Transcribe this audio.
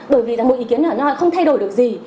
bởi vì là một ý kiến ở nhau không thay đổi được gì